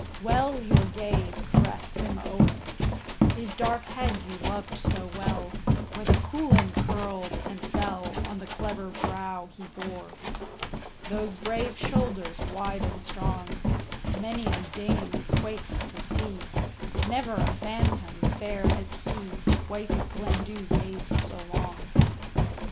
Well your gaze caressed him o'er, His dark head you loved so well, Where the coulin curled and fell On the clever brow he bore. Those brave shoulders wide and strong, Many a Dane had quaked to see, Never a phantom fair as he,— Wife of Glendu gazed so long.